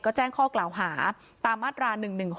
ก็แจ้งข้อกล่าวหาตามมาตรา๑๑๖